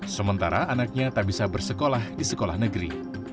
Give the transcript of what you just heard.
sementara anaknya tak bisa bersekolah di sekolah negeri